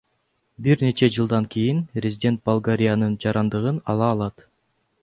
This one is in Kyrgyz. Бир нече жылдан кийин резидент Болгариянын жарандыгын ала алат.